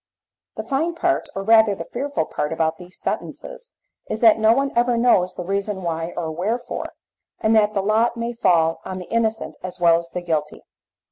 The fine part, or rather the fearful part, about these sentences is that no one ever knows the reason why or wherefore, and that the lot may fall on the innocent as well as the guilty.